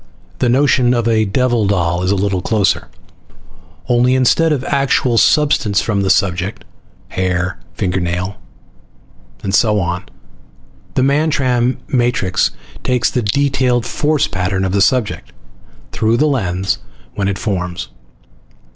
The notion of a devil doll is a little closer. Only instead of actual substance from the subject hair, fingernail parings, and so on the Mantram matrix takes the detailed force pattern of the subject, through the lens when it forms.